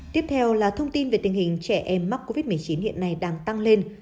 tiếp theo là thông tin về tình hình trẻ em mắc covid một mươi chín hiện nay đang tăng lên